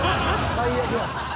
最悪や。